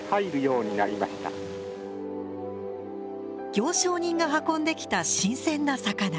行商人が運んできた新鮮な魚。